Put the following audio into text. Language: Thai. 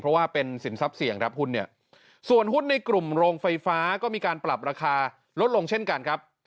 เพราะว่าเป็นสินทรัพย์เสี่ยงรับหุ้นเนี่ยส่วนหุ้นในกลุ่มโรงไฟฟ้าก็มีการปรับราคาลดลงเช่นกันครับ